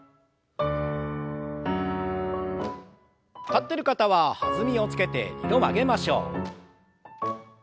立ってる方は弾みをつけて２度曲げましょう。